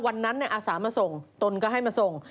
อาสามาส่งตนก็ให้มาส่ง